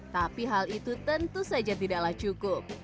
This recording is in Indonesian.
tapi hal itu tentu saja tidaklah cukup